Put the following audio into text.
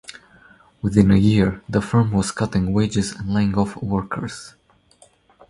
Within a year, the firm was cutting wages and laying off workers.